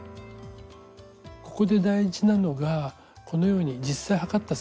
ここで大事なのがこのように実際測った寸法と